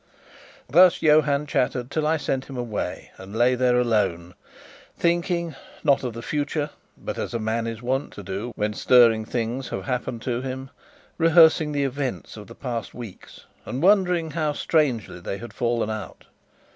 Thus Johann chattered till I sent him away and lay there alone, thinking, not of the future, but as a man is wont to do when stirring things have happened to him rehearsing the events of the past weeks, and wondering how strangely they had fallen out.